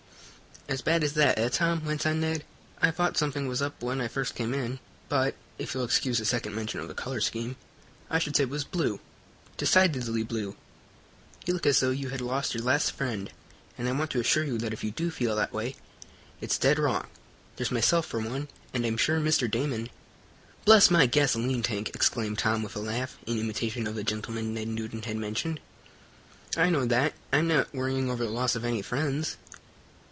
"As bad as that, eh, Tom?" went on Ned. "I thought something was up when I first came in, but, if you'll excuse a second mention of the color scheme, I should say it was blue decidedly blue. You look as though you had lost your last friend, and I want to assure you that if you do feel that way, it's dead wrong. There's myself, for one, and I'm sure Mr. Damon " "Bless my gasoline tank!" exclaimed Tom, with a laugh, in imitation of the gentleman Ned Newton had mentioned, "I know that! I'm not worrying over the loss of any friends."